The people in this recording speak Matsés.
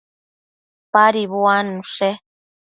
Padi beduannushe